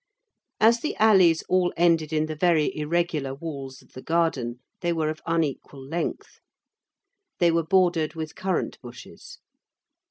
As the alleys all ended in the very irregular walls of the garden, they were of unequal length. They were bordered with currant bushes.